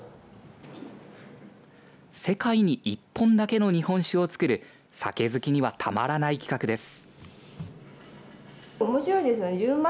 世界に１本だけの日本酒を造る酒好きにはたまらない企画です。